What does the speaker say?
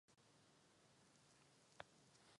Palác je chráněn jako kulturní památka.